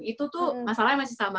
itu tuh masalahnya masih sama